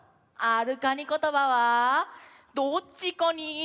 「あるカニことば」はどっちカニ？